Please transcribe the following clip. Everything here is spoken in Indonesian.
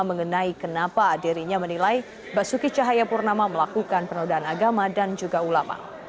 mengenai kenapa dirinya menilai basuki cahayapurnama melakukan penodaan agama dan juga ulama